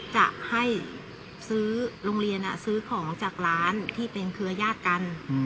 จะให้ซื้อโรงเรียนซื้อของจากร้านที่เป็นเครือญาติกัน